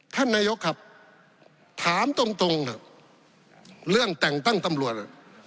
ท่านนายกครับถามตรงตรงเรื่องแต่งตั้งตำรวจ